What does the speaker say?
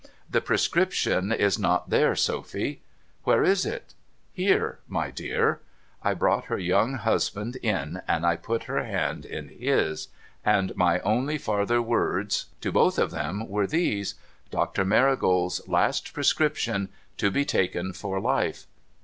' The Prescription is not there, Sophy.' ' Where is it ?'* Here, my dear.' I brouglit her young husband in, and I put her hand in his, THE LAST PRESCRIPTION 411 and my only farther words to both of them were these :' Doctor Marigold's last Prescription. To be taken for life.'